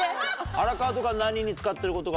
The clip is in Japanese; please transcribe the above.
荒川とか何に使ってることが多いの？